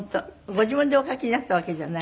ご自分でお描きになったわけじゃない？